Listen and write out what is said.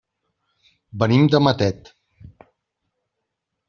Venim de Matet.